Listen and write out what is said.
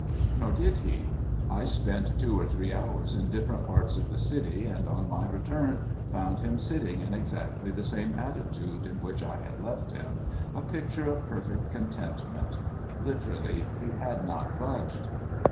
Nor did he. I spent two or three hours in dif ferent parts of the city, and on ni} return found him sitting in exactly the same attitude in which I had left him, a picture of perfect contentment. Literally he had not budged.